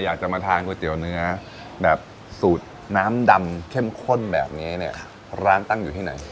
อยากจะมาทานก๋วยเตี๋ยวเนื้อแบบสูตรน้ำดำเข้มข้นแบบนี้เนี่ยร้านตั้งอยู่ที่ไหน